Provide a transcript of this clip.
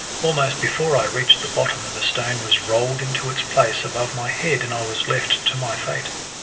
Almost before I reached the bottom the stone was rolled into its place above my head, and I was left to my fate.